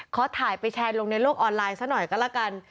ขอถ่ายไปแชร์ลงในโลกออนไลน์ซะหน่อยก็แล้วกัน